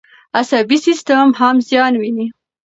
عصبي سیستم هم زیان ویني.